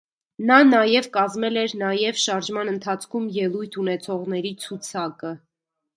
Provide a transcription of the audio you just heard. Նա նաև կազմել էր նաև շարժման ընթացքում ելույթ ունեցողների ցուցակը։